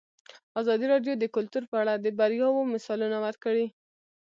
ازادي راډیو د کلتور په اړه د بریاوو مثالونه ورکړي.